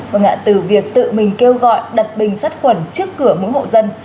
và ngạ từ việc tự mình kêu gọi đặt bình sát khuẩn trước cửa mỗi hộ dân